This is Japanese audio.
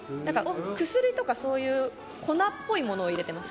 薬とか、そういう粉っぽいものを入れてます。